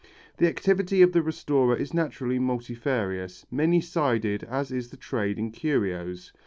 The activity of the restorer is naturally multifarious, many sided as is the trade in curios.